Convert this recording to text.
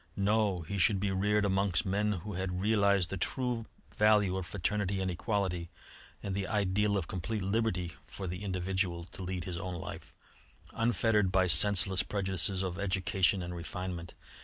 No! he should be reared amongst men who had realised the true value of fraternity and equality and the ideal of complete liberty for the individual to lead his own life, unfettered by senseless prejudices of education and refinement.